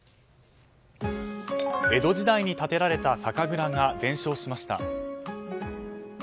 江戸時代に建てられた酒蔵が全焼しました。